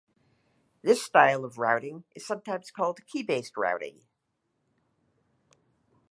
This style of routing is sometimes called key-based routing.